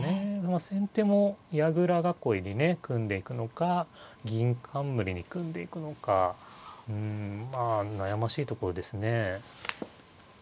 まあ先手も矢倉囲いにね組んでいくのか銀冠に組んでいくのかうんまあ悩ましいところですね。